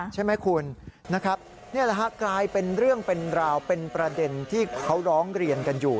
ใช่ไหมคุณนะครับนี่แหละฮะกลายเป็นเรื่องเป็นราวเป็นประเด็นที่เขาร้องเรียนกันอยู่